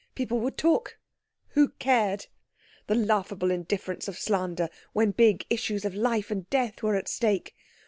People would talk. Who cared? The laughable indifference of slander, when big issues of life and death were at stake!